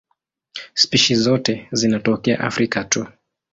Spishi zote zinatokea Afrika tu.